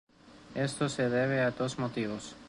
Esto se debe a dos motivos.